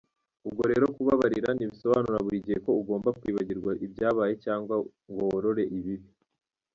Ubwo rero, kubabarira ntibisobanura buri gihe ko ugomba kwibagirwa ibyabaye cyangwa ngo worore ibibi.